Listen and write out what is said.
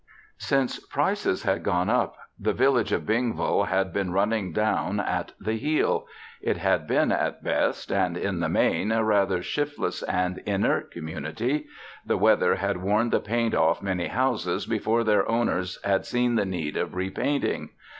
Since prices had gone up the village of Bingville had been running down at the heel. It had been at best and, in the main, a rather shiftless and inert community. The weather had worn the paint off many houses before their owners had seen the need of repainting.